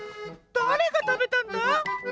だれがたべたんだ？